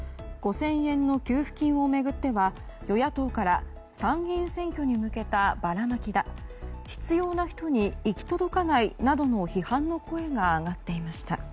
５０００円の給付金を巡っては与野党から参議院選挙に向けたばらまきだ必要な人に行き届かないなどの批判の声が上がっていました。